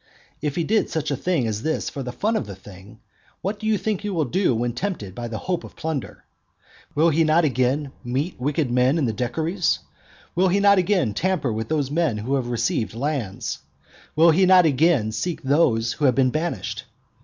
and if he did such a thing as this for the fun of the thing, what do you think he will do when tempted by the hope of plunder? Will he not again meet wicked men in the decuries? will he not again tamper with those men who have received lands? will he not again seek those who have been banished?